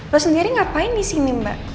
lo sendiri ngapain disini mbak